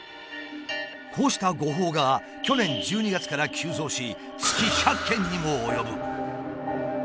こうした誤報が去年１２月から急増し月１００件にも及ぶ。